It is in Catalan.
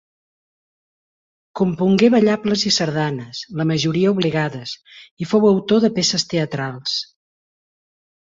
Compongué ballables i sardanes, la majoria obligades, i fou autor de peces teatrals.